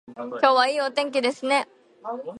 今日はいいお天気ですね